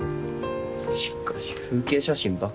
しかし風景写真ばっか。